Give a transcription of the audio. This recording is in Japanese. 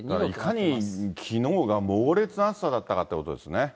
いかにきのうが猛烈な暑さだったかってことですね。